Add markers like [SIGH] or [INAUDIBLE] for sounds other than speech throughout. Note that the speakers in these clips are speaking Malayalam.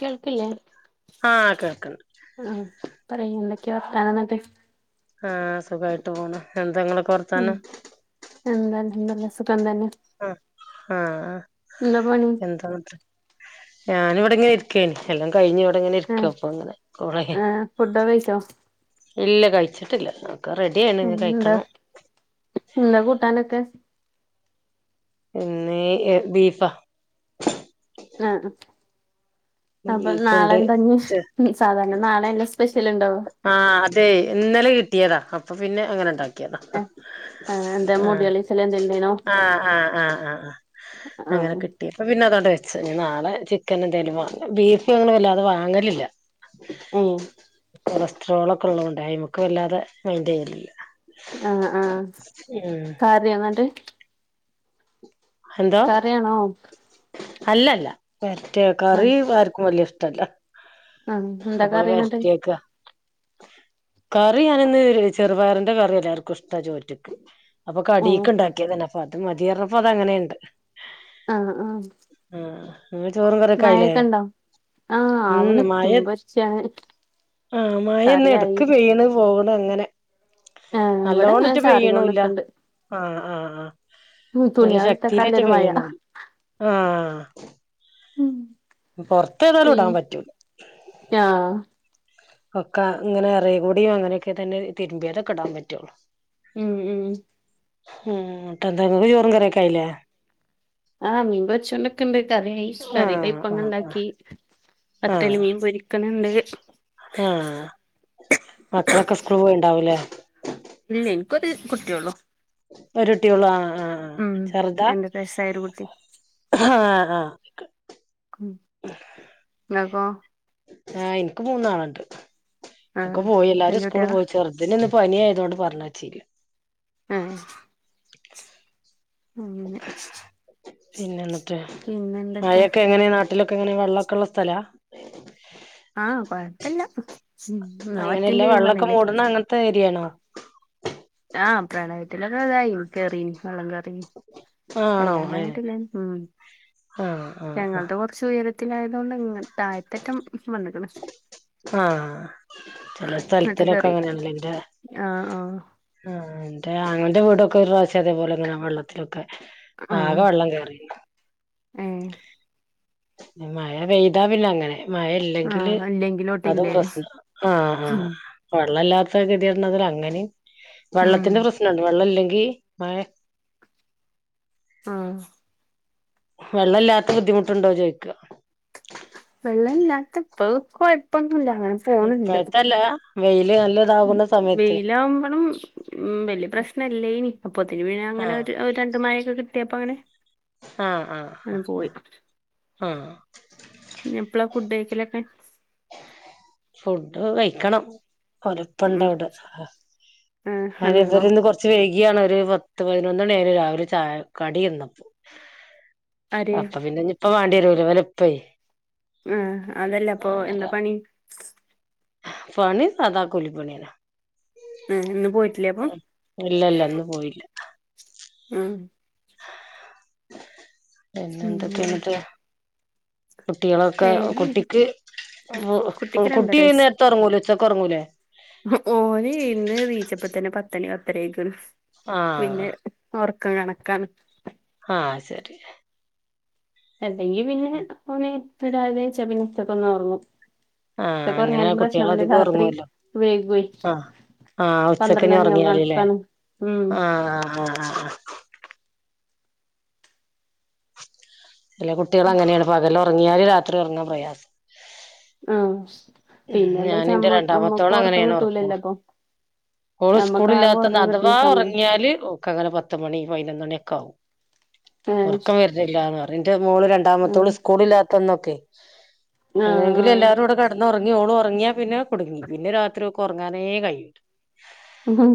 കേൾക്കില്ലേ [INAUDIBLE] ആഹ് കേൾക്കണ്ട് ആ പറയു എന്തൊക്കെയ വർത്താനം ന്നിട്ട്. ആ സുഖാ തോനെ എന്തെങ്ങിളക്കെ ഉം വർത്താനം എന്താ അൽഹംദുലില്ലാ സുഖം തന്നെ ആഹ് ആ ആഹ് എന്താ പണി എന്താണ്ത്ര ഞാൻ ഇവിടെ ഇങ്ങനെ ഇരിക്കേന് എല്ലാം കഴിഞ്ഞ് ഇവിടെ ഇങ്ങനെ ഇരിക്കും അപ്പ അങ്ങനെ കോള് ചെയാൻ ഫുഡോകെ കഴിച്ചോ ഇല്ല കഴിച്ചിട്ടില്ല ക്കെ റെഡിയ അങ്ടാ എന്താ കൂട്ടാനൊക്കെ ഇന്നേ എ ബീഫാ ആ അഹ് അപ്പൊ ബീഫുണ്ട് നാളെന്താഞ്ഞി ഞ് സാധാരണ നാളെയാണ് സ്പെഷ്യൽ ഉണ്ടോ ആ അതെ ഇന്നലെ കിട്ടിയതാ അപ്പൊ പിന്നെ അങ്ങനെ ഉണ്ടാക്കിയതാ ഏഹ് ആഹ് എന്താ ആഹ് മുടികളിച്ചല് എന്തേലുണ്ടായിനോ ആ ആഹ് ആഹ് ആഹ് അങ്ങനെ ആഹ് കിട്ടിയ അപ്പ പിന്നെ അതവിടെ വെച്ചു ഇനി നാളെ ചിക്കനേന്തേലും വാങ്ങണം ബീഫ് ഞങ്ങള് അല്ലാതെ വാങ്ങലില്ല. മ് കൊളസ്ട്രോളോക്കെ ഉള്ളകൊണ്ടായി മക്ക് വല്ലാതെ മൈന്റ് ചെയ്യലില്ല അ ആഹ് ഉം കാര്യന്നട്ട് എന്തോ കറിയാണോ അല്ലല്ല വരട്ടിയ കറി ആഹ് ആർക്കും വലിയ ഇഷ്ടല്ല ആഹ് എന്താ അപ്പൊ കറി എന്നിട്ട് വരട്ടിയേക്ക്യാ കറി ഞാനിന്ന് ചെറുപയറിന്റെ കറി എല്ലാവർക്കും ഇഷ്ടാ ചോറ്റിക്ക് അപ്പൊ ഏഹ് കടിയ്ക്കെണ്ടാക്കിയതന്നെപ്പൊ അത് മതിയറഞ്ഞപ്പോ അത് അങ്ങനെയുണ്ട് ആ ആഹ് ആഹ് ഇങ്ങളെ ചോറും കറിയൊക്കെ ആയില്ലേ മയൊക്കെ ഉണ്ടോ ആ അവളിപ്പഠമ്പൊരിച്ചയാണ് ആ മായന്ന് എടക്ക് പെയ്യണ് പോകണ് അങ്ങനെ ആഹ് ഇവിടെ അങ്ങനെ നല്ലോണിട്ട് പെയ്യണുല്ല ചാറികൊണ്ട്ക്ക്ണ്ട് അ ആഹ് അഹ് ഉം നല്ല ശക്തിയിലായിട്ട് തുണിയാള്ട്ടെക്കാല്ലൊരു മഴ പെയ്യണു ആഹ് ആഹ് ഉം പുറത്തേതായാലും ഇടാൻ പറ്റും ആഹ് ഒക്കെ ഇങ്ങനെ ഇറങ്ങികൂടിയും അങ്ങനെയൊക്കെയായിട്ട് എൻ്റെ തിരുമ്പിയതോക്കെ ഇടാൻ പറ്റുള്ളൂ ഉം ഉം മ് [UNINTELLIGIBLE] ചോറും കറി ക്കെ ആയില്ലേ ആഹ് മീൻ പൊരിച്ചൊണ്ടിക്കണ്ട് കറി ആയി ശ്ററി ആഹ് ആഹ് ടൈപ്പങ്ങുണ്ടാക്കി അറ്റൽ മീൻ പൊരിക്കണണ്ട് ഹാആ മക്കളൊക്കെ സ്ക്ക്രൂ ണ്ടാവൂലേ ഇല്ലേ എനിക്കൊരു കുട്ടിയെള്ളൂ ഒരുട്ടിയോള്ളു ആ ആഹ് ഉം ചെറുത രണ്ടര വയസ്സായൊരു കുട്ടി ആഹ് ആ [UNINTELLIGIBLE] ആ എനിക്ക് മൂന്നാളുണ്ട് ഒക്കെ ആഹ് പോയി എല്ലാരും വല്യ സ്കൂള് കുട്ട്യാളാ പോയിച്ച അതിനിന്ന് പനി ആയതുകൊണ്ട് പറഞ്ഞാച്ചി ആ ശ് അങ്ങിനെ പിന്നെ പിന്നെ എന്തൊക്കെയാ ട്ടിലൊക്കെങ്ങനെ വെള്ളൊക്കെള്ള സ്ഥലാ ആ കൊഴപ്പില്ല ഞ ഒറ്റും ചെയ്യും പറഞ്ഞില്ലേ ങ്ങ്ളങ്ങനത്തെ ഏരിയാണോ ആ പ്രളയത്തിലല്ല ഇതായി കേറീ വെള്ളം കേറി ആണോ അല്ലാണ്ട് ഏഹ് അങ്ങിട്ടില്ലേ മ് ആഹ് ആഹ് ഞങ്ങളുടെ ആഹ് പെറ് ച്ചുയരത്തിലായതുകൊണ്ട് ഇങ്ങൻ തായത്തറ്റം വന്നക്കണ് ആഹ് ചില ഇങ്ങട്ട് സ്ഥലത്തിലൊക്കെ കേറില്ല അങ്ങനെയല്ലെ ആഹ് ആഹ് ൻ്റെ ആ എന്റെ അങ്ങന്റെ വീടൊക്കെ ഒരു പ്രാവശ്യക്കെ അതേപോലെ അങ്ങനെ വെള്ളത്തിലൊക്കെ. ആഹ് ആകെ വെള്ളം കയറി ഏഹ് മഴ പെയ്താ പിന്നെ അങ്ങനെ. മഴ ഇല്ലെങ്കില് ആഹ് ഇല്ലെങ്കിലോട്ട് അതും ഇല്ലേനു പ്രശ്നം ആഹ ആ. ഉം വെള്ളമല്ലാത്ത ഗതിയണംതി അങ്ങനെയും, ഉം വെള്ളത്തിന്റെ പ്രശ്നംണ്ട്. വെള്ളം ഇല്ലെങ്കി മഴ ആഹ വെള്ളല്ലാത്ത ബുദ്ധിമുട്ടുണ്ടോ ചോദിക്ക. വെള്ളം ഇല്ലാത്ത പ്പോ കൊഴപ്പൊന്നുംല്ലാങ്ങനെ. ഇപ്പഴത്തല്ല വെയില് നല്ല ഇതാകുന്ന സമയത്ത് വെയിലാവുമ്പോഴും, ഉം വല്യ പ്രശ്നമല്ലേനി. അപ്പൊ ഒത്തിരി പി ആ അങ്ങനെ ഒരു രണ്ടു മഴൊക്കെ കിട്ടിയ അപ്പൊ അങ്ങനെ, ആഹ ആഹ അങ്ങനെ പോയി ആ ഉം. ഇനി എപ്പളാ ഫുഡ് കഴക്കലൊക്കെ? ഫുഡ് കയക്കണം. [UNINTELLIGIBLE] ഉം ണ്ടവിടെ ഏഹ് വന്ന്ക്ക്ണോ [UNINTELLIGIBLE] കൊറ ച്ച് വൈകിയാണ്, ഒരു പത്ത് പതിനൊന്ന് മണിരെ രാവിലെ ചായ കടി തിന്നപ്പോ. ആര് അപ്പൊ പിന്നെ ഇപ്പ വാണ്ടിവരുല വല ഇപ്പേ. ആ അതല്ലേ പ്പൊ എന്താ ആരാ പണി. പണി സാദാ കുലിപണിയന്നാ. ഏഹ് ഇന്ന് പോയിട്ടില്ലേ അപ്പം ഇല്ലല്ല ഇന്നു പോയില്ല. ഉം. പിന്നെ ഉംല്ലേ എന്തൊക്കയണ്പ്പാ. കുട്ടികളൊക്കെ, വേറെന്തൊക്കെ കുട്ടിക്ക് കുട്ടിക്ക് രണ്ടര കുട്ടി ഈ നേരത്തെ ഉറങ്ങുലോ. ച്ചക്ക്റങ്ങൂലേ? മോന് ഇന്നണീച്ചപ്പ തന്നെ പത്തര പത്തണിയിരിക്കണ്. പിന്നെ ആഹ് ഓർക്കം കണക്കാണ്. ആഹ ശരി. അല്ലെങ്കി പിന്നെ അവനെ [UNINTELLIGIBLE] ഒറങ്ങും. ആഹ് പ അങ്ങനെ ഉറങ്ങിയാലും കുട്ടികൾ പ്രശ്നം പിന്നെ അധികം രാത്രി വൈകുവേ. ആ പന്ത്രണ്ട് ഉച്ചക്കനി മണിയാവും ഉറങ്ങിയാലല്ലേ. കണക്കാണ് ഉം ആ ആ ആ. ചെല കുട്ടികൾ അങ്ങനെയാണ് പകല ഉറങ്ങിയാല് രാത്രി ഉറങ്ങാൻ പ്രയാസം. ആഹ. ഞാനിൻ്റെ രണ്ടാമത്തോളെ അങ്ങനെ ഞാൻ ഉറക്കൂ. കിട്ടൂലല്ലോ അപ്പൊ ഓള് ഞമ്മക്ക് സ്കൂള് ആകെ ഇല്ലാത്ത, ഒറങ്ങാൻ അഥവാ കിട്ടുന്ന സമയം ഉറങ്ങിയാല് ഓക്ക് അങ്ങനെ പത്ത് മണി പതിനൊന്ന് മണിയൊക്കെ ആകും. ഏഹ് ഉറക്കം വരുന്നില്ലാന്ന് പറയും. എൻ്റെ മോള് ഉം രണ്ടാമത്തോള് സ്കൂളില്ലാത്തന്നൊക്കെ ആഹ് എങ്ങനെങ്കിലും ആഹ് എല്ലാരും കൂടെ കെ ഇന്ന് ഉറങ്ങി ഓള് ഉറങ്ങിയാ പിന്നെ കുടുങ്ങി. പിന്നെ രാത്രി ഒക്കെ ഉറങ്ങാനേ കഴുയുല. മ്മ്ഹ്.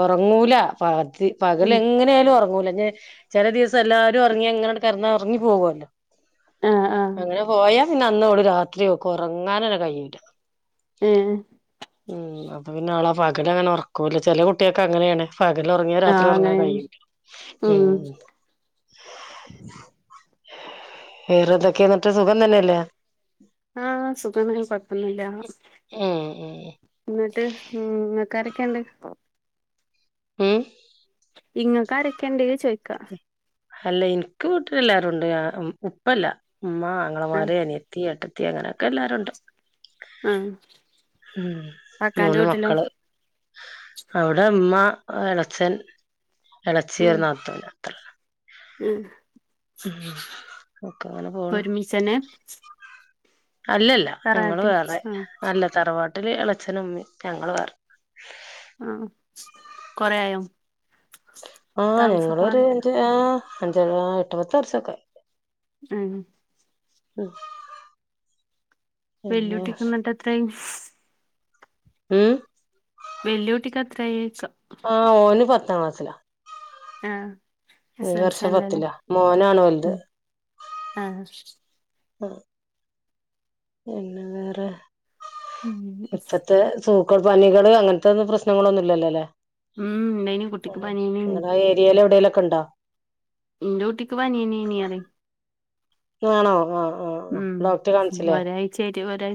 ഉറങ്ങൂല പതി പകല് ഉം എങ്ങനെ ആയാലും ഉറങ്ങൂല. ഞാ ചില ദിവസം എല്ലാരും ഒറങ്ങി അങ്ങനെ കിടന്ന് ഒറങ്ങി പോകുവല്ലോ. ആഹ് ആഹ് അങ്ങനെ പോയാ. ഇ നന്നോള് രാത്രിയൊക്കെ ഉറങ്ങാനന്നെ കഴിയുല. ഉം ഉം അപ്പ പിന്നെ ആളെ പകല് അങ്ങനെ ഉറക്കൂല്ല. ചില കുട്ടിയൊക്കെ അങ്ങനെയാണ്. പകല ഉറങ്ങിയ രാത്രി ആഹ് ഉറങ്ങാൻ അങ്ങനെയാണ് കഴിയൂല്ല. ഉം. വേറെന്തോക്കെ എന്നിട്ട് സുഖം തന്നെയല്ലേ? ആഹ സുഖമാണ് കുഴപ്പന്നില്ല. ഉം ഉം എന്നിട്ട് മ് ങ്ങക്ക് കാരെക്കെയുണ്ട് പോ. മ്. ഇങ്ങക്കാരൊക്കെ ഇണ്ട് ചോയിക്കാ. അല്ല എനിക്ക് വീട്ടില് എല്ലാവരും ഉണ്ട്. ഉപ്പല്ല ഉമ്മ ആഹ് അങ്ങളമാര് അനിയ ത്തീ ഏട്ടത്തി അങ്ങനൊക്കെ എല്ലരുണ്ട്. ആഹ് ഉം കാക്കാന്റെ മൂന്ന് വീട്ടിലോ മക്കള്. അവിടെ ഉമ്മ എളച്ചൻ എളച്ചി ഉം ഒരു നാത്തൂന്. ഉം ഉം [UNINTELLIGIBLE] പോണ് ചെന്നെ അല്ലല്ല ഞങ്ങള് വേറെ ആഹ് അല്ല തറവാട്ടില് ഇളച്ചനമ്മയും ഞങ്ങള് വേറെ ആഹ് കൊറേയായോ ആ താമസം ഞങ്ങളൊരു മാറിട്ട് അഞ്ച് ആഹ് അഞ്ച ആറ് എട്ട്പത്ത് വർഷൊക്കായി ഉം ഉം പിന്നെ വെല്ലുട്ടിക്കന്നിട്ട് എത്രായി? ഉം വെല്ല്യൂട്ടിക്ക്‌ എത്രായിക്കാ ആ ഓന് പത്താം ക്ലാസ്സിലാ ആഹ് എസ് ഈ എൽ സി വർഷം ആണല്ലോല്ലേ പത്തിലാ മോനാണ് വലുത് ഉം ആഹ് ആ പിന്നെ വേറെ ഉം ഇപ്പത്തെ സൂക്കട് പനികള് അങ്ങനത്തൊന്നും പ്രശ്നങ്ങളൊന്നും ഇല്ലല്ലോ ല്ലേ? ഉം ഇണ്ടേനി ആ കുട്ടിക്ക് പനിയേനേനി നിങ്ങളെ ആ ഏരിയേല് എവിടേലൊക്കെ ഉണ്ടോ? എൻറ്റൂട്ടിക്ക്‌ പനിയതന്നെന്നെയാണ് ആണോ ആഹ് ആഹ് ഡോക്ടറെ കാണിച്ചില്ലേ? ഒരാഴ്ച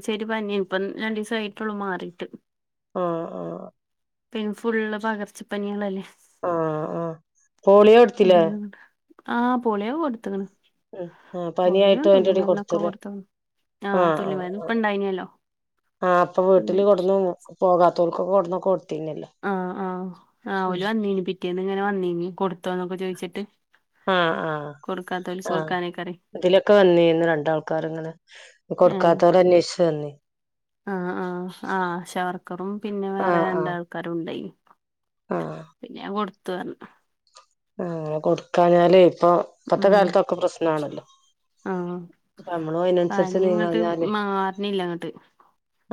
ആയിട്ട് പനിയാണ് ഇപ്പം രണ്ടു ദിവസം ആയിട്ടുള്ളൂ മാറിയിട്ട് ആഹ് ആഹ് പിന്നെ ഫുള്ള് പകർച്ചപ്പനികളല്ലേ ആ ആ പോളിയോ എടുത്തില്ലേ അതുകൊണ്ടാ ആഹ് പോളിയോ കൊടുത്ത്ക്കണ് ഉം ആ പോളിയോ പനിയായിട്ട് തുള്ളി അതിന്റെടി മരുന്നൊക്കെ കൊടുത്തല്ലേ കൊടുത്തു ആഹ് തുള്ളിമരുന്ന് ഇപ്പണ്ടായിന്നല്ലോ ആഹ് അപ്പൊ വീട്ടില് കൊട്ന്ന് പോകാത്തവർക്കൊക്കെകൊടുന്ന് കൊടുത്തീന്നല്ലോ ആഹ് ആഹ് ആഹ് ഓല് വന്നീനു പിറ്റേന്ന് ഇങ്ങനെ വന്നീനി കൊടുത്തോന്നൊക്കെ ചോദിച്ചിട്ട് ആഹ് ആഹ് കൊട്ക്കാത്തോൽക്ക് കൊട്ക്കാനെക്കെ ഇതിലൊക്കെ വന്നിര്ന്ന് രണ്ടാൾക്കാരങ്ങനെ ഏഹ് കൊടുക്കാത്തോലന്വേഷിച്ചു വന്ന് ആഹ് ആഹ് ആഹ് ആശവർക്കറും പിന്നെ വേറെ രണ്ടാൾക്കാരും ണ്ടായിന് ആഹ് പിന്നെ ഞാൻ കൊടുത്തതാ ആഹ് കൊടുക്കാഞ്ഞാല് ഇപ്പൊ ഇപ്പത്തെ ഉം കാലത്തൊക്കെ പ്രശ്നാണല്ലോ ആഹ് അപ്പൊ നമ്മളും അതിനനുസരിച്ച് പനി ഇങ്ങട്ട് നീങ്ങാഞ്ഞാലേ മാർണില്ല ഇങ്ങട്ട്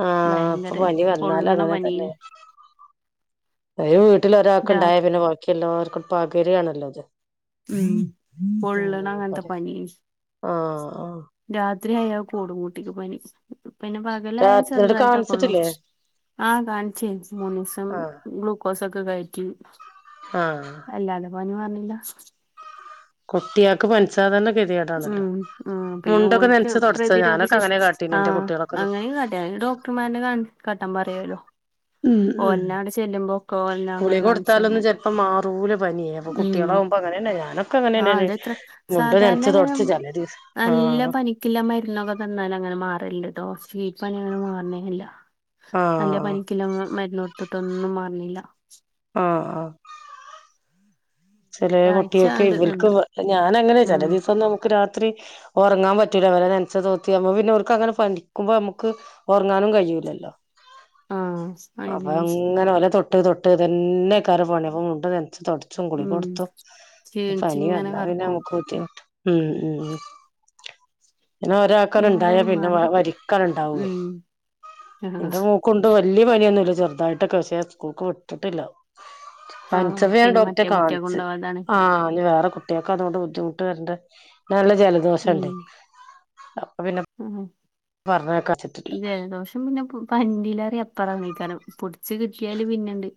ആഹ് ഇപ്പൊ ഭയങ്കര പനി വന്നാല് പൊള്ളണ അങ്ങനെ പനിയ തന്നെ ഒരു വീട്ടില് ഒരാൾക്ക് ഉണ്ടായ രാത്രി പിന്നെ ബാക്കിയെല്ലാർക്കും പകരുവാണല്ലോ അത് ഉം പൊള്ളണ അങ്ങനത്തെ പനി ആഹ് ആഹ് രാത്രിയായാ കൂടും കുട്ടിക്ക് പനി പിന്നെ പ കലായ രാത്രിയോട് ചെറുതായിട്ടൊക്കെ ഉള്ളു കാണിച്ചിട്ടില്ലേ ആഹ് കാണിച്ചേ മൂന്നീസം ആഹ് ഗ്ലൂ ക്കോസൊക്കെ കയറ്റി ആഹ് അല്ലാതെ പനി മാർണില്ല കുട്ടികൾക്ക് പനിച്ചാ തന്നെ പേടിയാ ഉം ഉം പിന്നെ ഓൽക്ക് തുടച്ചത് പ്രതിരോധ ഞാനൊക്കെ ശേഷി അങ്ങനെ കാട്ടീന് എന്റെ ആഹ് കുട്ടികളൊക്കെ അങ്ങനൊക്കെ [UNINTELLIGIBLE] അതിന് ഡോ ക്ടർമാരന്നെ കാ കാട്ടാൻ പറയുവായിരുന്നു ഉം ഉം ചെല്ലുമ്പോക്കോല്ലാം അങ്ങനെ കാണിച്ചു തന്നെ അപ്പ മാറൂല പനിയേ അപ്പ കുട്ട്യാളാവുമ്പൊ അങ്ങനെന്നെ ഞാനൊക്കെ ആഹ് അങ്ങനെന്നെന്നെ അതെത്ര മുണ്ട് സാധാരണ നൻച്ച് തൊടച്ച് ചെലെ ദിവസം ആഹ് ക്കില്ല മരുന്നൊക്കെ തന്നാലങ്ങനെ മാറല്ലട്ടോ ശ്ലീ പ്പനി അങ്ങനെ മാറണേല്ല നല്ല ആഹ് പനിക്കില്ല മരുന്ന് കൊടുത്തിട്ടൊന്നും മാറ്ണില്ല. ആഹ് ആഹ് ചെലെ ഒരാഴ്ച കുട്ട്യാൾക്കെ കണ്ട് ഇവൾക്ക് നിന്ന് ഞാനങ്ങനെ ചില ഉം ദിവസം നമുക്ക് രാത്രി ഒറങ്ങാൻ പറ്റൂല അവരെ നനച്ച് തോത്തി്പോ പിന്നെ ഒർക്ക് അങ്ങനെ പനിക്കുമ്പോ മ്മക്ക് ഒറങ്ങാനും കഴിയൂല്ലല്ലോ. ആഹ് അയിന് അപ്പൊങ്ങനെ ഒലെ തൊട്ട് തൊട്ട് തൊട്ട് ഇതന്നെക്കെരം പണി അപ്പൊ മുണ്ട് നൻച്ച് തൊട്ച്ചു ഉം കൊട്ത്തും പനി ക്ഷീണിച്ചിങ്ങനെ വന്നാപിന്നെ കെടക്കും നമക്ക് ബുദ്ധിമുട്ട മ് മ് പിന്നെ ഒരാക് പിന്നെ ക്കൊരുണ്ടായ ഏതായാലും പിന്നെ മാറി വ കിട്ടി വരിക്കണ് ണ്ടാവോയ്‌ ഉം ആഹ് ഇന്റെ മോക് ക്കുണ്ട് വല്ല്യ പനിയൊന്നുല്ല ചെറുതായിട്ടൊക്കെ പഷേ ഞാൻ സ്കൂൾക്ക് വിട്ടിട്ടില്ല. പൻചപ്പോ ഞാൻ ഡോക്ട്ടെ കാൺ കൊണ്ടോവണ്ടാണ് ആ ഞ്ഞി വേറെ കുട്ട്യായാക്ക് അതോണ്ട് ബുദ്ധിമുട്ട് വരൻണ്ട നല്ല ഉം ജലദോഷണ്ടെ. അപ്പൊ പിന്നെ ആഹ് പറഞ്ഞെക്കാച്ചിട്ടില്ല. [UNINTELLIGIBLE] പിന്നെ പു പനിന്റീലാറിം അപ്പറേണേക്കാരം പുട് ച്ച് കിട്ടിയാല് പിന്നെണ്ട്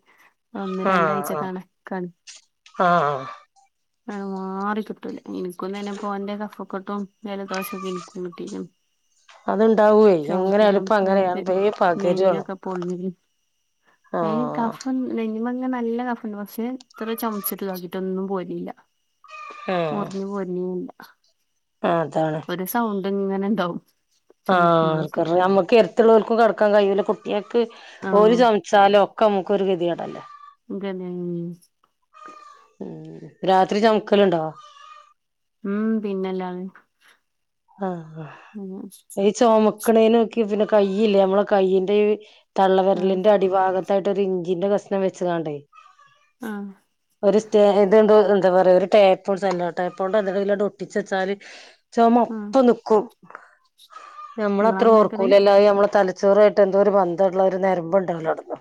ഒന്ന് രണ്ടാഴ്ച ആഹ് ആഹ് കണക്കാണ്. ആഹ് അയ്മാറി കിട്ടൂല ഇൻക്കുംതന്നെ പ്പോ ന്റെ കഫക്കെട്ടും ജലദോഷം ഒക്കെ ഇൻക്കും കിട്ട് ട്ടിനും. അത്ണ്ടാവോയ് എങ്ങനെയാലുംപ്പോ അങ്ങനെയ വേം പകര്യാണ്. പൊളിഞ്ഞെങ്കില് എ കഫം നെഞ്ഞ്മങ്ങെ നല്ല കഫണ്ട് പക്ഷെ എത്ര ചൊമച്ചിട്ട് താക്കിട്ടോന്നും പോര്നില്ല. മുറിഞ്ഞ് പൊര്‌നേഇല്ല. ആ അതാണ്. സൗണ്ട് ഇങ്ങനെണ്ടാവും. ആ കൊറേ മ്മക്ക് എര്ത്ത്ള്ളോൽക്കും കട്ക്കാൻ കയൂല കുട്ട് ട്ട്യാക്ക് ഒൽ ആഹ് ചൊമച്ചാലൊഒക്കെ അമക്കൊരു കെതിടല്ലേ. ഇതന്നെഞ്ഞി ഉം രാത്രി ചോമക്കലുണ്ടോ? ഉം പിന്നല്ലതെ. ആഹ് ആഹ്. ഇചൊമക്ണിലോക്കെ ഇതിന്റെ കയ്യില്ലേ അമ്മളെ കയ്യിന്റെ തള്ളവര് ലിന്റെ അടിഭാഗത് തായിട്ട് ഒരു ഇഞ്ചിന്റെ കഷ്ണം വെച്ച്കാണ്ടേ ആഹ് ഒര് സ്റ്റെഎ ഇത്‌ന്തോ എന്താ പറയാ ഒരു ടേപ്പ് ഒര് സെല്ലോടെപ്പോൺണ്ട് നല്ലതിലാണ്ട് ഒട്ടിച്ച് ച്ചാല് ചൊമ ആഹ് ഒപ്പം നിക്കും ഞമ്മളത്ര ഇങ്ങളങ്ങനാക്കല് ഓർക്കൂലല്ലോ അയ് ഞമ്മളെ തലച്ച് തലച്ചോറു ആയിട്ടേന്തോ ഒരു ബന്ധള്ള ഒര് നെര്മ്പ്ണ്ടല്ലോ അവ്ട്ന്ന്.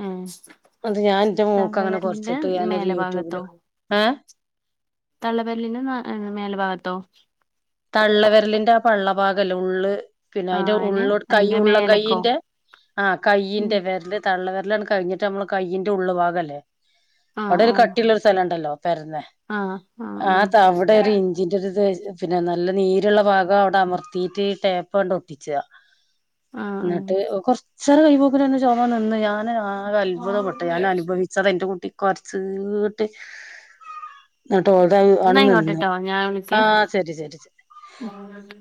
ഏഹ് അത് ഞാൻ ഇന്റെ മോൾക്ക് തള്ള അങ്ങനെ വെരലിന്റെ കൊര്ച്ചിട്ട് ഞാനൊരു മേലെ ഭാഗത്തോ യൂട്യൂബില് ആ തള്ള വെര്ലിന് ന്നാഎ മേൽഭാഗ ത്തോ? തള്ളവെര്ലിന്റെ ആ പള്ളഭാഗല്ലേ ഉള്ള് പിന്നെ ആ അയിന്റെ അയിന് ഉള്ളോട് കയ്യ് അയിന്റെ ‌ ഉള്ളം മേലക്കോ കയ്യീന്റെ ആ ഉം കയ്യിന്റെ വെര്‌ല് തള്ള വെരലട് കഴിഞ്ഞിട്ട് അമ്മള് കൈയ്യിന്റെ ഉള്ള്ഭാഗല്ലേ. ആ അവ്ടൊരു ആ കട്ടിള്ളൊരു സെലണ്ടല്ലോ പെരന്നെ ആ ആ ആതവ്ടെര് ഇൻ ഞ്ചിന്റെ [UNINTELLIGIBLE] പിന്നെ നല്ല നീര്ള്ള ഭാഗം അവ്ടെ അമർത്തീട്ട് ടേപ്പ് അണ്ട് ഒട്ടിച്ച. ആ ആ ന്ന്ട്ട് ഒകൊറച്ചെരം കയ്യും പൊക്കിനെന്നെ ചൊമനിന്ന് ഞാന് ആകെ അൽഭുതപ്പെട്ടെയ് അൻഅനു ഭവിച് ച്ചതെന്റെ കുട്ടി കൊര്ച്ചീട്ട് ന്ന്‌ട്ട്ട്ടോളതങ്ങ് ന്നാ അണ്നിന്ന് ആയിക്കോട്ടെട്ടോ ആ ശരി ശരി ശരി. ആഹ് ആഹ്